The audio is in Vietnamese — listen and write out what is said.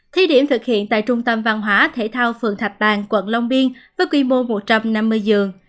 thi điểm thực hiện tại trung tâm văn hóa thể thao phường thạch bàn quận long biên với quy mô một trăm năm mươi giường